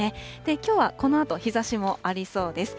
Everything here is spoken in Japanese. きょうはこのあと、日ざしもありそうです。